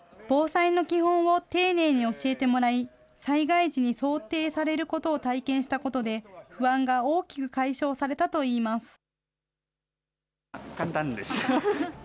防災の基本を丁寧に教えてもらい、災害時に想定されることを体験したことで、不安が大きく解消されたといいます。